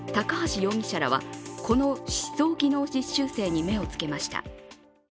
高橋容疑者らはこの失踪技能実習生に目をつけました。